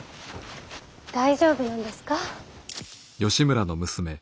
大丈夫なんですか。